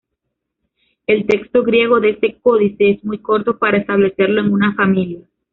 El texto griego de este códice es muy corto para establecerlo en una familia.